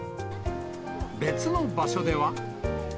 別の場所では。